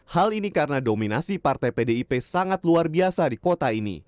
hal ini karena dominasi partai pdip sangat luar biasa di kota ini